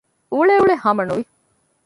އުޅެއުޅެ ހަމަ ނުވި